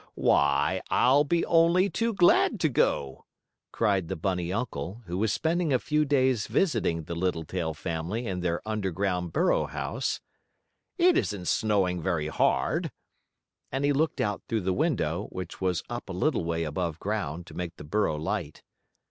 "Why, I'll be only too glad to go," cried the bunny uncle, who was spending a few days visiting the Littletail family in their underground burrow house. "It isn't snowing very hard," and he looked out through the window, which was up a little way above ground to make the burrow light.